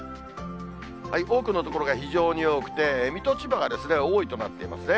多くの所が非常に多くて、水戸、千葉が多いとなっていますね。